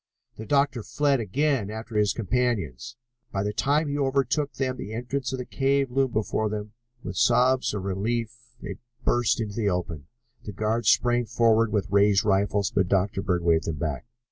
The doctor fled again after his companions. By the time he overtook them the entrance of the cave loomed before them. With sobs of relief they burst out into the open. The guards sprang forward with raised rifles, but Dr. Bird waved them back.